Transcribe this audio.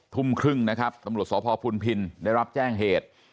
ทุ่มครึ่งนะครับตำรวจสพพุนพินได้รับแจ้งเหตุ